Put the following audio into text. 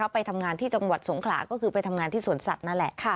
ไปทำงานที่จังหวัดสวนสัตว์นี่แหละ